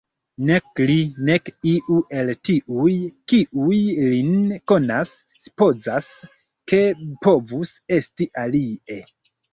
Nek li, nek iu el tiuj, kiuj lin konas, supozas, ke povus esti alie.